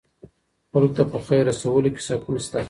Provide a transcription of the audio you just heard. خلکو ته په خیر رسولو کې سکون شته.